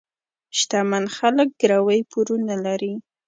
شتمن خلک ګروۍ پورونه لري.